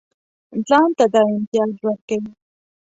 ځان ته دا امتیاز ورکوي.